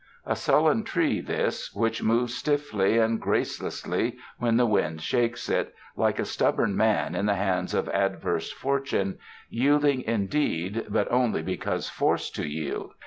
A sullen tree, this, which moves stiffly and grace lessly when the wind shakes it, like a stubborn man in the hands of adverse fortune — yielding indeed, but only because forced to yield.